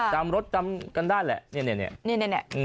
จำรถจำกันได้แหละเนี่ย